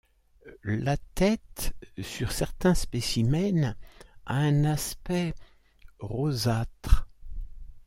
La tête sur certains spécimens a un aspect rosâtre.